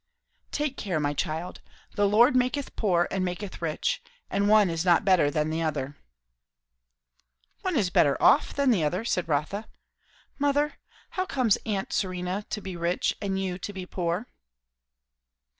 "Take care, my child. 'The Lord maketh poor and maketh rich;' and one is not better than the other." "One is better off than the other," said Rotha. "Mother, how comes aunt Serena to be rich and you to be poor?"